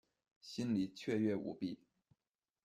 心里雀跃无比